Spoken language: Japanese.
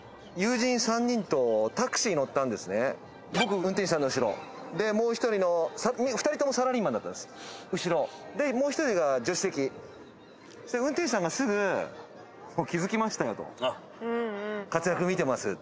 僕運転手さんの後ろでもう１人の２人ともサラリーマンだったんです後ろでもう１人が助手席そしたら運転手さんがすぐ「気づきましたよ」と「活躍見てます」